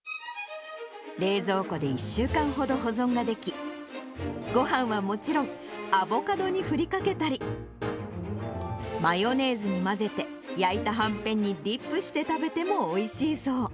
冷蔵庫で１週間ほど保存ができ、ごはんはもちろん、アボカドにふりかけたり、マヨネーズに混ぜて、焼いたはんぺんにディップして食べてもおいしいそう。